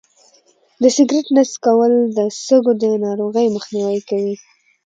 د سګرټ نه څکول د سږو د ناروغۍ مخنیوی کوي.